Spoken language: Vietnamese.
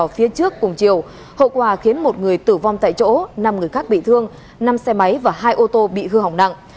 phía trước cùng chiều hậu quả khiến một người tử vong tại chỗ năm người khác bị thương năm xe máy và hai ô tô bị hư hỏng nặng